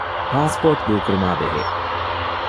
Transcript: ޕާސްޕޯޓް ދޫކުރުމާބެހޭ